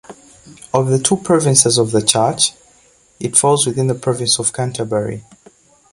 Of the two provinces of the church it falls within the Province of Canterbury.